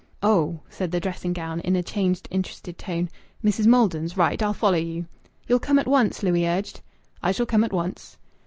"Oh!" said the dressing gown in a changed, interested tone. "Mrs. Maldon's! Right. I'll follow you." "You'll come at once?" Louis urged. "I shall come at once."